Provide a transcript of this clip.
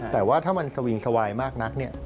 แต่ว่าถ้ามันสวิงสวายมากนักเนี่ย